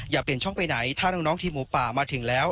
อย่าเปลี่ยนช่องไปไหนถ้าน้องทีมหมูป่ามาถึงแล้ว